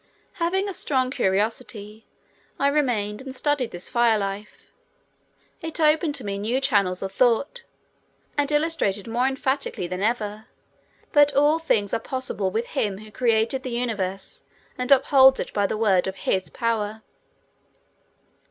Having a strong curiosity, I remained and studied this fire life. It opened to me new channels of thought and illustrated more emphatically than ever that all things are possible with Him who created the universe and upholds it by the word of His power.